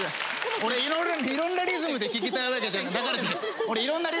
俺いろんなリズムで聞きたいわけじゃない。